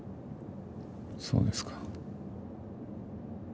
そうですか。